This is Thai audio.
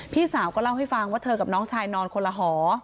พี่สาวก็เล่าให้ฟังว่าเธอกับน้องชายนอนคนละหอ